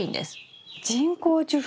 人工授粉？